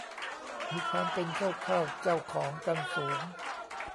มีความเป็นเจ้าเข้าเจ้าของกันสูง